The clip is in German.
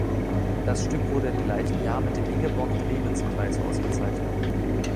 Das Stück wurde im gleichen Jahr mit dem Ingeborg-Drewitz-Preis ausgezeichnet.